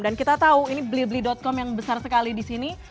dan kita tahu ini blibli com yang besar sekali di sini